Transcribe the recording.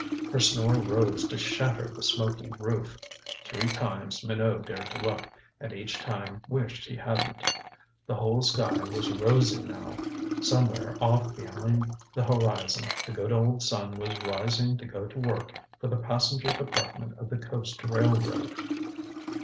Her snore rose to shatter the smoky roof. Three times Minot dared to look, and each time wished he hadn't. The whole sky was rosy now. Somewhere off behind the horizon the good old sun was rising to go to work for the passenger department of the coast railroad.